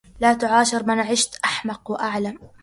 لا تعاشر ما عشت أحمق واعلم